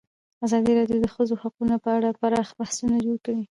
ازادي راډیو د د ښځو حقونه په اړه پراخ بحثونه جوړ کړي.